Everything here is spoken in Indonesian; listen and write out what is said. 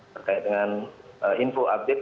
berkait dengan info update